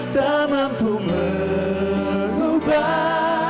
tak mampu mengubah